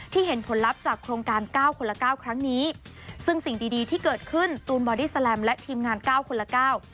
เห็นผลลัพธ์จากโครงการเก้าคนละเก้าครั้งนี้ซึ่งสิ่งดีดีที่เกิดขึ้นตูนบอดี้แลมและทีมงานเก้าคนละเก้า